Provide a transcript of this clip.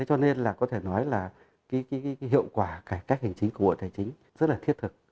cho nên là có thể nói là hiệu quả cải cách hành chính của bộ tài chính rất là thiết thực